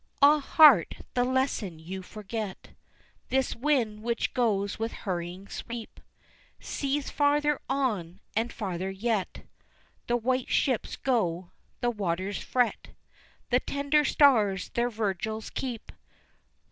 Ah, heart, the lesson you forget, This wind which goes with hurrying sweep Sees farther on, and farther yet The white ships go, the waters fret, The tender stars their vigils keep.